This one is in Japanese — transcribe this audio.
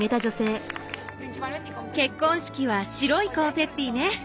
結婚式は白いコンフェッティね。